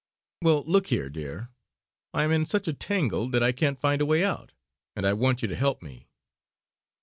"Well, look here, dear, I am in such a tangle that I can't find a way out, and I want you to help me."